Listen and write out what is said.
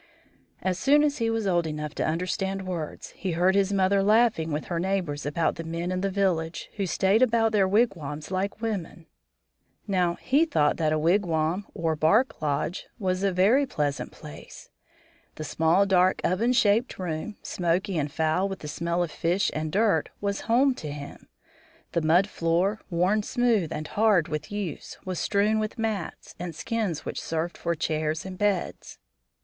[Illustration: INDIAN SQUAW AT WORK] As soon as he was old enough to understand words, he heard his mother laughing with her neighbors about the men in the village who stayed about their wigwams like women. Now, he thought that a wigwam or bark lodge was a very pleasant place. The small, dark, oven shaped room, smoky and foul with the smell of fish and dirt, was home to him the mud floor, worn smooth and hard with use, was strewn with mats and skins which served for chairs and beds.